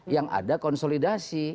yang ada konsolidasi